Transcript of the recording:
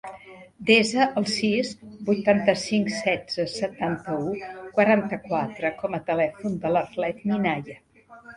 Desa el sis, vuitanta-cinc, setze, setanta-u, quaranta-quatre com a telèfon de l'Arlet Minaya.